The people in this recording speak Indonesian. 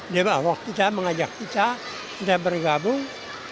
dia bawa kita mengajak kita kita bergabung